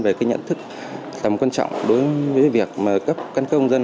về cái nhận thức tầm quan trọng đối với việc cấp căn cơ công dân